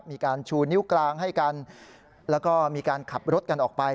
มีการชูนิ้วกลางให้กันแล้วก็มีการขับรถกันออกไป